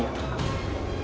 tidak akan menangkapmu